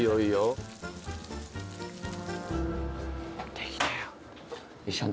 できたよ